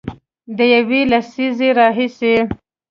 د یوې لسیزې راهیسې